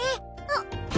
あっ。